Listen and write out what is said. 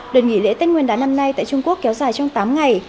đợt nghỉ lễ tết nguyên đán năm nay tại trung quốc kéo dài trong tám ngày